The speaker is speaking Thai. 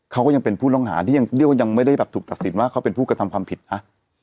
เขาก็ยังเป็นผู้ล้องหาที่ยังไม่ได้ถูกตัดสินว่าเขาเป็นผู้กระทำความผิดนะ